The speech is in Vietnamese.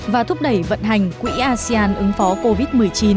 và thúc đẩy vận hành quỹ asean ứng phó covid một mươi chín